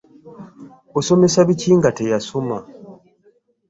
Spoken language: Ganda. Asomesa biki nga teyasoma?